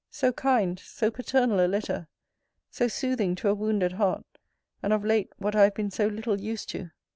So kind, so paternal a letter! so soothing to a wounded heart; and of late what I have been so little used to!